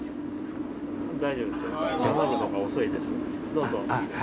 どうぞ。